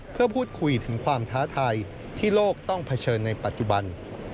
เพื่อพูดคุยถึงความท้าทายที่โลกต้องเผชิญในปัจจุบัน